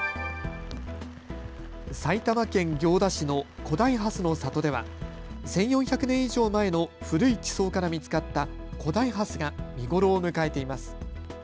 埼玉県行田市の古代蓮の里では１４００年以上前の古い地層から見つかった古代ハスが見頃を迎えています。